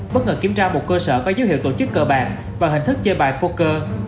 bất ngờ kiểm tra một cơ sở có dấu hiệu tổ chức cờ bạc và hình thức chơi bài poker